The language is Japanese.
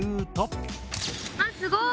あっすごい。